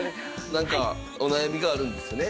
なんかお悩みがあるんですよね？